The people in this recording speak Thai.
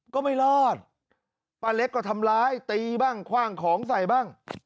ก็ไม่รอดป้าเล็กก็ทำร้ายตีบ้างคว่างของใส่บ้าง